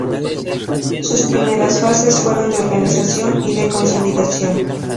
Sus primeras fases fueron de organización y de consolidación.